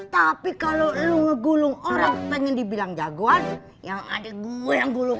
tapi kalau lu ngegulung orang pengen dibilang jagoan yang ada gua yang gulung